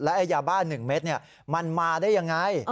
และยาบ้า๑เมตรมันมาได้อย่างไร